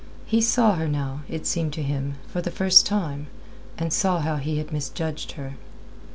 He saw her now, it seemed to him, for the first time, and saw how he had misjudged her.